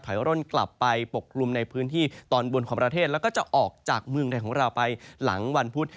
ร่นกลับไปปกกลุ่มในพื้นที่ตอนบนของประเทศแล้วก็จะออกจากเมืองไทยของเราไปหลังวันพุธ